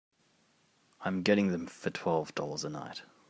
I'm getting them for twelve dollars a night.